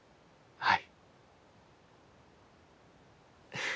はい。